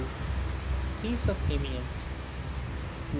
Peace of Amiens. 1803.